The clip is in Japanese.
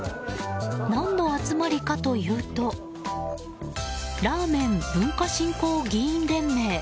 何の集まりかというとラーメン文化振興議員連盟